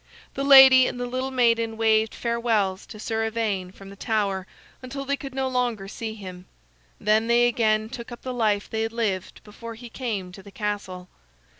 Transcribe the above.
The lady and the little maiden waved farewells to Sir Ivaine from the tower until they could no longer see him; then they again took up the life they had lived before he came to the castle.